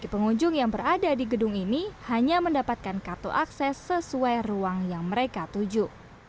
pengunjung yang berada di gedung ini hanya mendapatkan kartu akses sesuai ruang yang mereka tuju